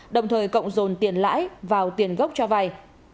đồng thời cộng dồn tiền lãi vào tiền gốc cho vay